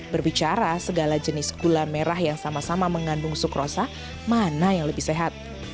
berbicara segala jenis gula merah yang sama sama mengandung sukrosa mana yang lebih sehat